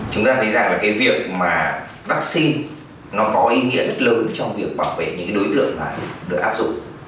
chúng ta thấy rằng là cái việc mà vaccine nó có ý nghĩa rất lớn trong việc bảo vệ những đối tượng này được áp dụng